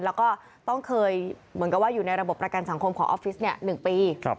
แล้วก็ต้องเคยเหมือนกับว่าอยู่ในระบบประกันสังคมของออฟฟิศ๑ปี